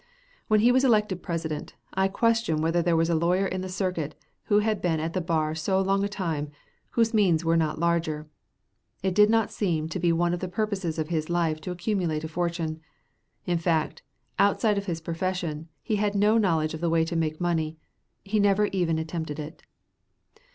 When he was elected President, I question whether there was a lawyer in the circuit, who had been at the bar so long a time, whose means were not larger. It did not seem to be one of the purposes of his life to accumulate a fortune. In fact, outside of his profession, he had no knowledge of the way to make money, and he never even attempted it.